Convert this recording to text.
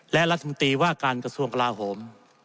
และรัฐมนตรีว่าการกระทรวงกลาโหม